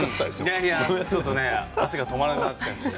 いやいや、ちょっと汗が止まらなくなったんです。